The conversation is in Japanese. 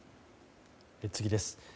次です。